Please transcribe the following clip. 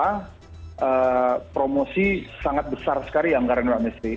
karena promosi sangat besar sekali ya anggaran indonesia